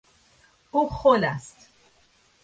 او خل است.